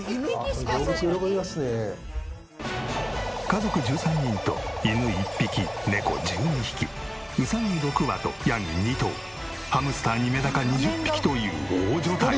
家族１３人と犬１匹猫１２匹うさぎ６羽とヤギ２頭ハムスターにメダカ２０匹という大所帯。